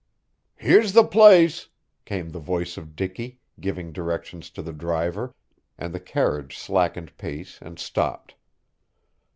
"Here's the place," came the voice of Dicky, giving directions to the driver; and the carriage slackened pace and stopped.